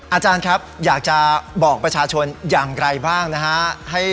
อาจารย์ครับอยากจะบอกประชาชนอย่างไรบ้างนะฮะ